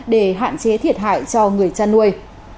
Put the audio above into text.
để hạn chế thiệt hại cho người chăn nuôi